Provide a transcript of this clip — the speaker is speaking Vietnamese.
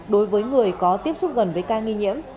đối với người có tiếp xúc gần với ca nghi nhiễm